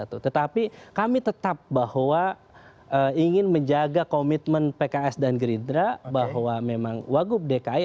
tetapi kami tetap bahwa ingin menjaga komitmen pks dan gerindra bahwa memang wagub dki